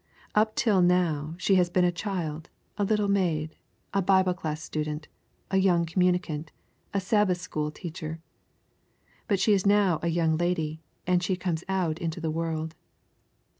Up till now she has been a child, a little maid, a Bible class student, a young communicant, a Sabbath school teacher. But she is now a young lady, and she comes out into the world.